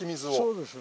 そうです。